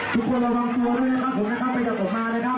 ทุกคนระวังตัวด้วยนะครับผมนะครับอย่าออกมานะครับ